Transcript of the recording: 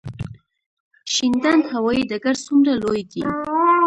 شینډنډ هوايي ډګر څومره لوی دی؟